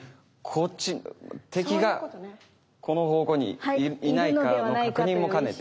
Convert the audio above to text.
こっち敵がこの方向にいないかの確認も兼ねて。